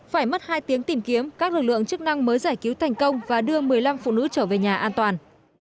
phải mất hai tiếng tìm kiếm các lực lượng chức năng mới giải cứu thành công và đưa một mươi năm phụ nữ trở về nhà an toàn